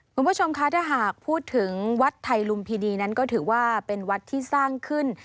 คุณผู้ชมคะถ้าหากพูดถึงวัดไทยลุมพินีนั้นก็ถือว่าเป็นวัดที่สร้างขึ้น